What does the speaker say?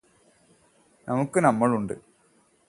നമുക്ക് നമ്മൾ ഉണ്ട്